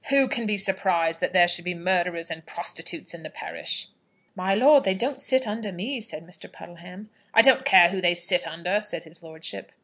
"Who can be surprised that there should be murderers and prostitutes in the parish?" "My lord, they don't sit under me," said Mr. Puddleham. "I don't care who they sit under," said his lordship.